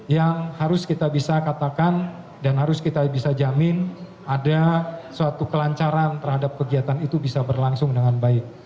yang harus kita bisa katakan dan harus kita bisa jamin ada suatu kelancaran terhadap kegiatan itu bisa berlangsung dengan baik